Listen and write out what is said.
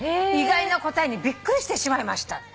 「意外な答えにびっくりしてしまいました」